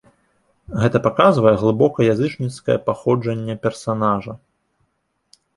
Гэта паказвае глыбока язычніцкае паходжанне персанажа.